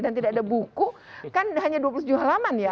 dan tidak ada buku kan hanya dua puluh tujuh halaman ya